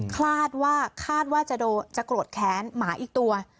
คาดว่าจะโกรธแขนหมาอีกตัว